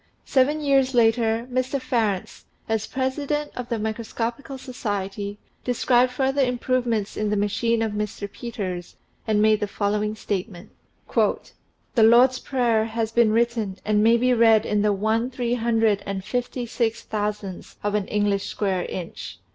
Seven years later, Mr. Farrants, as President of the Microscopical Society, described further improvements in the machine of Mr. Peters, and made the following statement :" The MICROGRAPHY AND MICROPHOTOGRAPHY 141 Lord's Prayer has been written and may be read in the one three hundred and fifty six thousandth of an English square inch.